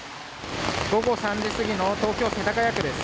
午後３時過ぎの東京・世田谷区です。